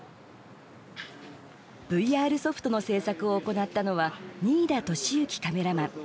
ＶＲソフトの制作を行ったのは新井田利之カメラマン。